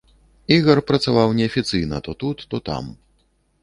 Ігар працаваў неафіцыйна, то тут, то там.